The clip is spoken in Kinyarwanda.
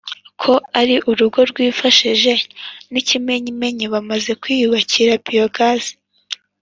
ko ari urugo rwifashije. N’ikimenyimenyi bamaze kwiyubakira biyogazi